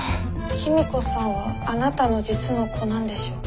公子さんはあなたの実の子なんでしょうか？